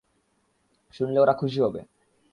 শুনলে ওরা খুশি হবে।